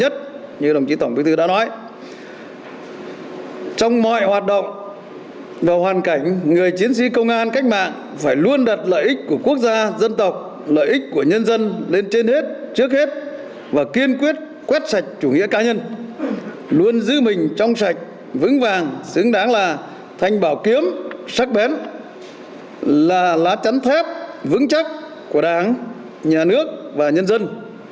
trước hết và kiên quyết quét sạch chủ nghĩa ca nhân luôn giữ mình trong sạch vững vàng xứng đáng là thanh bảo kiếm sắc bén là lá chắn thép vững chắc của đảng nhà nước và nhân dân